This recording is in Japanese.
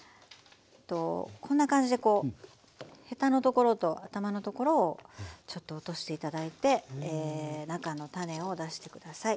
こんな感じでこうヘタのところと頭のところをちょっと落として頂いて中の種を出して下さい。